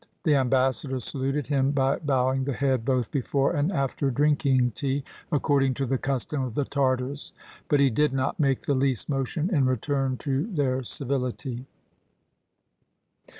The ambassadors saluted him by bowing the head both before and after drinking tea, according to the custom of the Tartars; but he did not make the least motion in return to their civility.